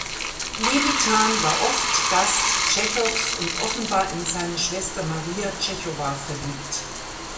Lewitan war oft Gast Tschechows und offenbar in seine Schwester Maria Tschechowa verliebt.